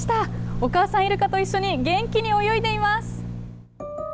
お母さんいるかと一緒に元気に泳いでいます。